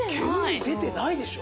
煙出てないでしょ？